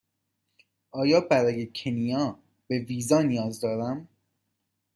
آیا برای کنیا به ویزا نیاز دارم؟